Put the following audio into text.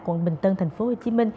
quận bình tân tp hcm